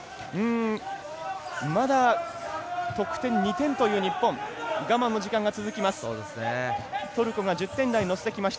まだ得点２点という日本我慢の時間が続きます。